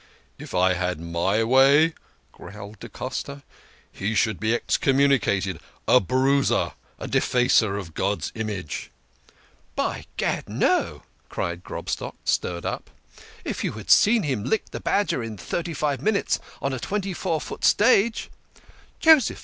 " If I had my way," growled da Costa, " he should be excommunicated a bruiser, a defacer of God's image !"" By gad, no !" cried Grobstock, stirred up. " If you had seen him lick the Badger in thirty five minutes on a twenty four foot stage " Joseph